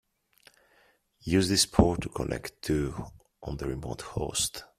Use this port to connect to on the remote host.